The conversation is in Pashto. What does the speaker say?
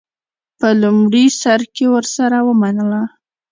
په لومړي سر کې ورسره ومنله.